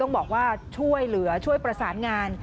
บอกว่าช่วยเหลือช่วยประสานงาน